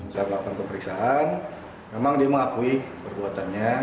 saat melakukan pemeriksaan memang dia mengakui perbuatannya